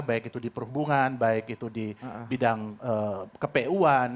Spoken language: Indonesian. baik itu di perhubungan baik itu di bidang ke pu an